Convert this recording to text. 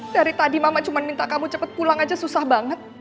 dari tadi mama cuma minta kamu cepet pulang aja susah banget